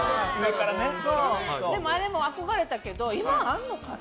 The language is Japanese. でも、あれも憧れたけど今はあるのかな。